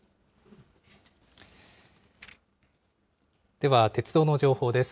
では、鉄道の情報です。